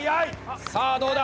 さあどうだ？